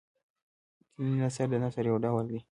دیني نثر د نثر يو ډول دﺉ.